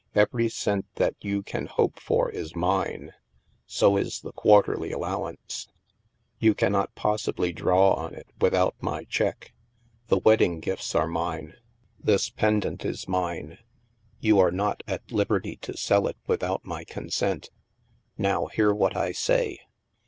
Every cent that you can hope for is mine. So is the quarterly allowance. You cannot possibly draw on it, with out my cheque. The wedding gifts are mine. This 202 THE MASK pendant is mine. You are not at liberty to sell it without my consent. " Now, hear what I say.